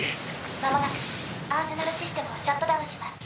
間もなくアーセナルシステムをシャットダウンします。